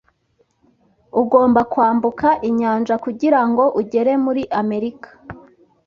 Ugomba kwambuka inyanja kugirango ugere muri Amerika.